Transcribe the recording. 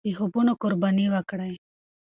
د خوبونو قرباني ورکړئ.